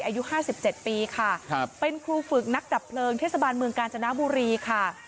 อายุ๕๗ปีค่ะครับเป็นครูฝึกนักดับเพลิงเทศบาลเมืองกาญจนบุรีค่ะ